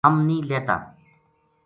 ہم نیہہ لہتا